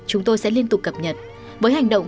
chúng tôi sẽ liên tục cập nhật với hành động